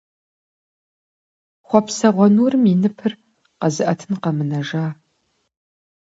Хъуэпсэгъуэ нурым и ныпыр къэзыӀэтын къэмынэжа…